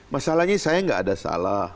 masalahnya saya nggak ada salah